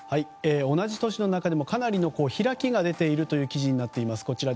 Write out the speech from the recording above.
同じ都市の中でもかなりの開きが出ているという記事になっています。